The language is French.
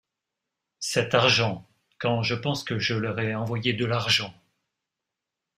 Cet argent! quand je pense que je leur ai envoyé de l’argent !